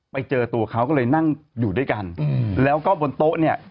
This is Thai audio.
ไปเจอตัวเขาก็เลยนั่งอยู่ด้วยกันแล้วก็บนโต๊ะเนี่ย